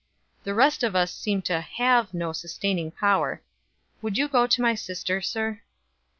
The rest of us seem to have no sustaining power. Would you go to my sister, sir?"